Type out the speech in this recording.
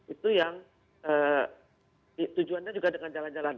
itu yang tujuannya juga dengan jalan jalan